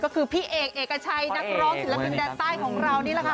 ก็คือพี่เอกเอกชัยนักร้องศิลปินแดนใต้ของเรานี่แหละค่ะ